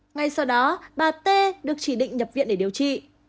ngay sau đó bà t được chỉ định nhập viện để điều trị